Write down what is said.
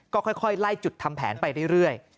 ก็ค่อยไล่จุดทำแผนไปเรื่อย